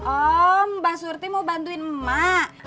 oh mbak surti mau bantuin emak